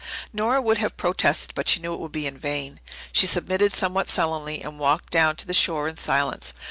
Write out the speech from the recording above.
Nora would have protested but she knew it would be in vain. She submitted somewhat sullenly and walked down to the shore in silence.